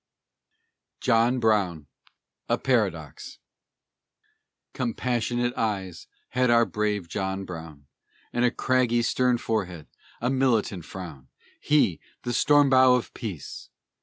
JOHN BROWN: A PARADOX Compassionate eyes had our brave John Brown, And a craggy stern forehead, a militant frown; He, the storm bow of peace.